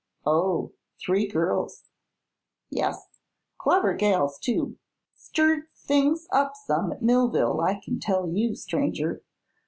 "Oh; three girls." "Yes. Clever gals, too. Stirred things up some at Millville, I kin tell you, stranger.